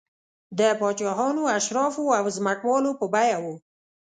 د پاچاهانو، اشرافو او ځمکوالو په بیه و